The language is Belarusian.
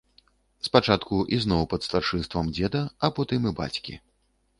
Спачатку ізноў пад старшынствам дзеда, а потым і бацькі.